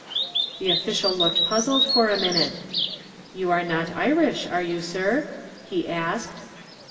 The official looked puzzled for a minute. "You are not Irish, are you, sir?" he said.